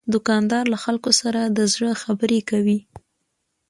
دوکاندار له خلکو سره د زړه خبرې کوي.